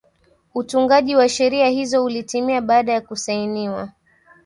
utungaji wa sheria hizo ulitimia baada ya kusainiwa